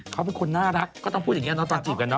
เขาเป็นคนน่ารักก็ต้องพูดอย่างนี้เนาะตอนจีบกันเน